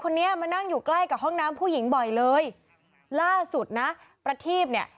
คือบางทีห้องน้ำผู้หญิงกระจกอาจจะกว้างกว่าง